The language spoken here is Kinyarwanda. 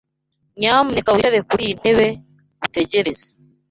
Nyamuneka wicare kuriyi ntebe utegereze.